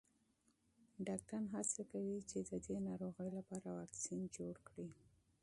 ډاکټران هڅه کوي چې د دې ناروغۍ لپاره واکسین جوړ کړي.